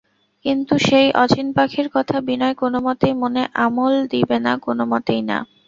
কিন্তু সেই অচিন পাখির কথা বিনয় কোনোমতেই মনে আমল দিবে না, কোনোমতেই না।